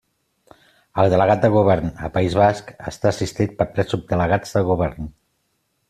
El delegat del Govern a País Basc està assistit per tres subdelegats del Govern.